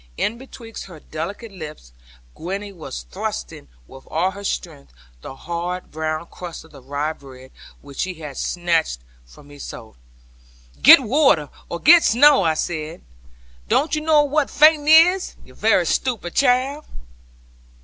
In betwixt her delicate lips, Gwenny was thrusting with all her strength the hard brown crust of the rye bread, which she had snatched from me so. 'Get water, or get snow,' I said; 'don't you know what fainting is, you very stupid child?'